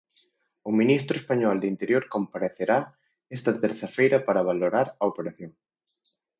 O ministro español de Interior comparecerá esta terza feira para valorar a operación.